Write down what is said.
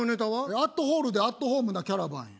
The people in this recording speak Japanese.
「アットホールで、アットホームなキャラバン」や。